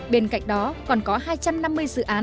bên cạnh đó còn có hai trăm năm mươi dự án